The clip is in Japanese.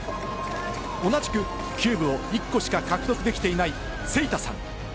同じくキューブを１個しか獲得できていないセイタさん。